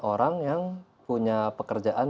orang yang punya pekerjaan